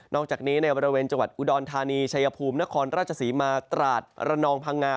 อกจากนี้ในบริเวณจังหวัดอุดรธานีชัยภูมินครราชศรีมาตราดระนองพังงา